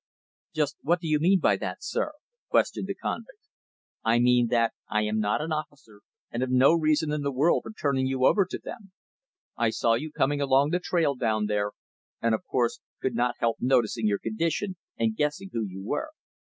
"Just what do you mean by that, sir?" questioned the convict. "I mean that I am not an officer and have no reason in the world for turning you over to them. I saw you coming along the trail down there and, of course, could not help noticing your condition and guessing who you were.